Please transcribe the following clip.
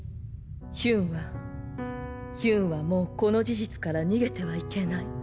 ヒュンはヒュンはもうこの事実から逃げてはいけない。